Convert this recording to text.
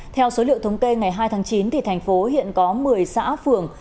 theo số liệu thống kê ngày hai tháng chín thành phố hiện có một mươi xã phường